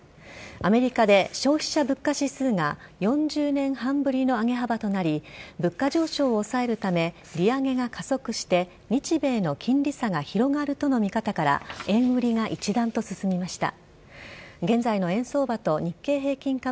アメリカで消費者物価指数が４０年半ぶりの上げ幅となり物価上昇を抑えるため利上げが加速して日米の金利差が広がるとの見方から円売りが一段と進みました。